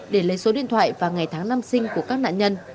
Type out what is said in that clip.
để lấy số điện thoại vào ngày tháng năm sinh của các nạn nhân